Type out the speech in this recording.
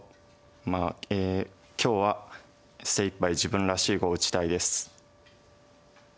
今日は精いっぱい自分らしい碁を打ちたいです。